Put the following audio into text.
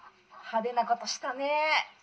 「派手なことしたねえ」。